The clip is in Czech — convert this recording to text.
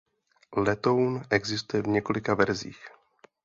Letoun existuje v několika verzích.